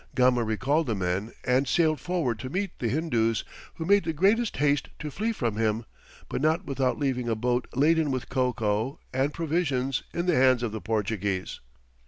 Gama recalled the men, and sailed forward to meet the Hindoos, who made the greatest haste to flee from him, but not without leaving a boat laden with cocoa, and provisions, in the hands of the Portuguese.